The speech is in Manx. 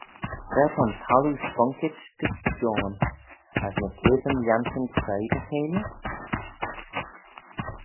Tra ta'n thalloo sponkit gys joan, as ny ceabyn lhiantyn creoi dy cheilley?